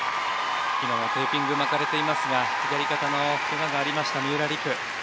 今はテーピングが巻かれていますが左肩の怪我がありました三浦璃来。